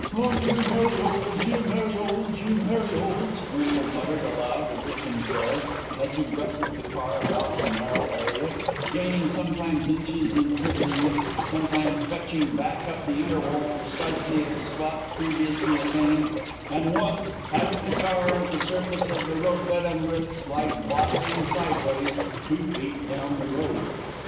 "Oh, you Merry Olds, you Merry Olds, you Merry Olds," Wemple muttered aloud, as if in prayer, as he wrestled the car about the narrow area, gaining sometimes inches in pivoting it, sometimes fetching back up the inner wall precisely at the spot previously attained, and, once, having the car, with the surface of the roadbed under it, slide bodily and sidewise, two feet down the road.